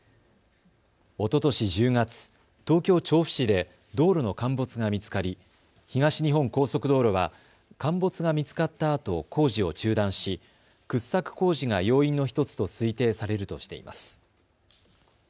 おととし１０月、東京調布市で道路の陥没が見つかり、東日本高速道路は、陥没が見つかったあと工事を中断し掘削工事が要因の１つと推定されるとしています。